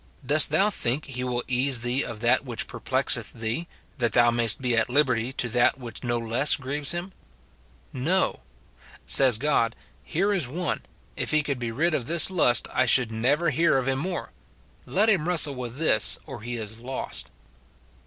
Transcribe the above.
Dost thou think he will ease thee of that which perplexeth thee, that thou mayst be at liberty to that which no less grieves him ? No. Says God, " Here is one — if he could be rid of this lust I should never hear of him more ; let him wrestle with this, or he is lost."